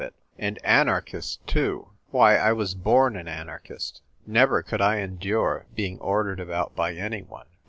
37 it. And anarchists, too ! Why, I was born an anarchist. Never could I endure being ordered about by anj one.